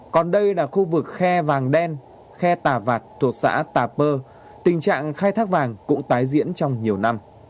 còn đây là khu vực khe vàng đen khe tà vạt thuộc xã tà pơ tình trạng khai thác vàng cũng tái diễn trong nhiều năm